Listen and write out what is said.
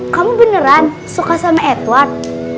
kamu beneran suka sama edward